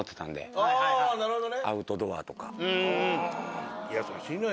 ああなるほどね。